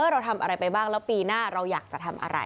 เราทำอะไรไปบ้างแล้วปีหน้าเราอยากจะทำอะไร